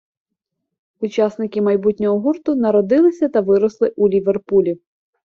Учасники майбутнього гурту народилися та виросли у Ліверпулі.